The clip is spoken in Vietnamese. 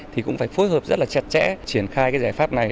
thì cũng phải phối hợp rất là chặt chẽ triển khai cái giải pháp này